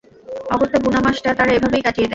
অগত্যা বুনা মাসটা তারা এভাবেই কাটিয়ে দেয়।